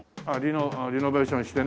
リノベーションしてね。